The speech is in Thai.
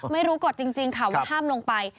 กฎจริงค่ะว่าห้ามลงไป